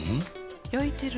焼いてる。